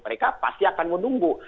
mereka pasti akan menunggu